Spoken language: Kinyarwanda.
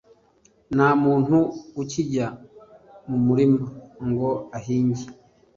nta muntu ukijya mu murima ngo ahinge»